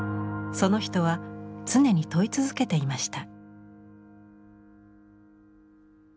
その人は常に問い続けていました。